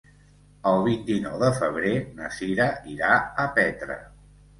El vint-i-nou de febrer na Cira irà a Petra.